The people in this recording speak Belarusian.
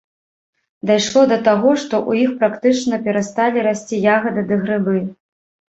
Дайшло да таго, што ў іх практычна перасталі расці ягады ды грыбы.